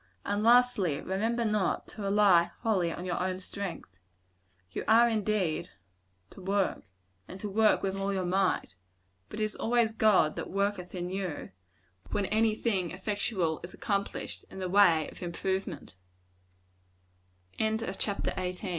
And, lastly, remember not to rely wholly on your own strength. You are, indeed, to work and to work with all your might; but it is always God that worketh in you, when any thing effectual is accomplished, in the way of improvem